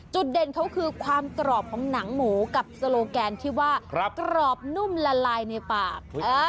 จุดเด่นเขาคือความกรอบของหนังหมูกับโซโลแกนที่ว่ากรอบนุ่มละลายในปาก